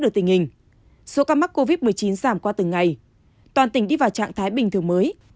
được tình hình số ca mắc covid một mươi chín giảm qua từng ngày toàn tỉnh đi vào trạng thái bình thường mới